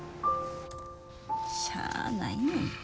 しゃあないねんて。